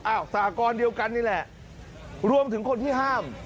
สหกรเดียวกันนี่แหละรวมถึงคนที่ห้าม